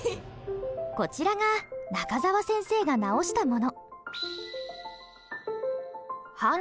こちらが中澤先生が直したもの。